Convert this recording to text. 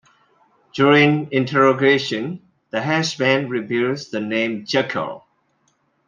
During interrogation, the henchman reveals the name "Jackal".